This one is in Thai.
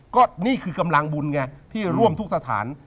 ก็นี่คือกำลังบุญไงที่ร่วมทุกสถาน